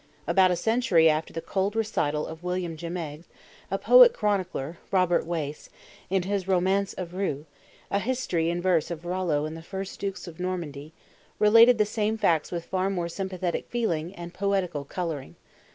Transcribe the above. About a century after the cold recital of William of Jumieges, a poet chronicler, Robert Wace, in his Romance of Rou, a history in verse of Rollo and the first dukes of Normandy, related the same facts with far more sympathetic feeling and poetical coloring.